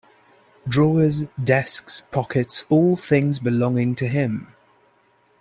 Drawers, desks, pockets, all things belonging to him.